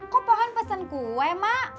kok pohon pesen kue mak